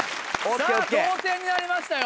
さぁ同点になりましたよ。